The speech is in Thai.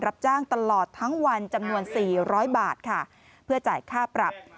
รับจ้างตลอดทั้งวันจำนวน๔๐๐บาทค่ะเพื่อจ่ายค่าปรับ